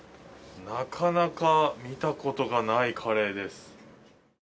なかなか見たことがないカレーです。